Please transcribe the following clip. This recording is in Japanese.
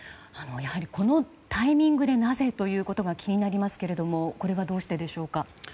やはりこのタイミングでなぜということが気になりますがこれはどうしてでしょうか？